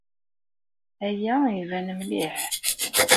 Aya iban mliḥ.